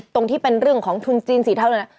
ตรงที่เป็นเรื่องของทุนจีนสีเท่านั้น